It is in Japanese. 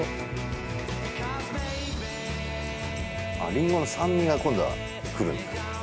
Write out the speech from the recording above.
りんごの酸味が今度はくるんだ